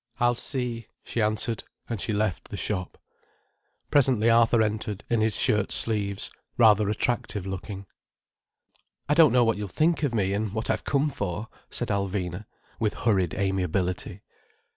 "I'll see," she answered, and she left the shop. Presently Arthur entered, in his shirt sleeves: rather attractive looking. "I don't know what you'll think of me, and what I've come for," said Alvina, with hurried amiability.